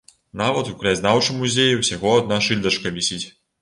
Нават у краязнаўчым музеі ўсяго адна шыльдачка вісіць.